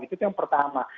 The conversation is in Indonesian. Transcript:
itu yang pertama